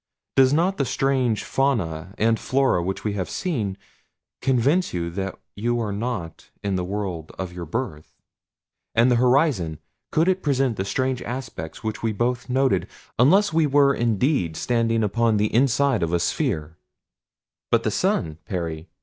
Does not the strange fauna and flora which we have seen convince you that you are not in the world of your birth? And the horizon could it present the strange aspects which we both noted unless we were indeed standing upon the inside surface of a sphere?" "But the sun, Perry!"